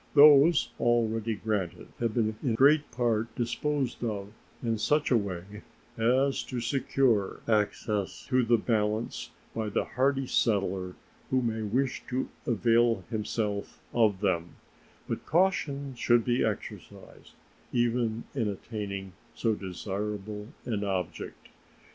Those already granted have been in great part disposed of in such a way as to secure access to the balance by the hardy settler who may wish to avail himself of them, but caution should be exercised even in attaining so desirable an object.